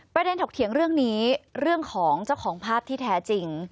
ถกเถียงเรื่องนี้เรื่องของเจ้าของภาพที่แท้จริง